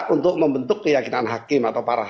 untuk membentuk keyakinan hakim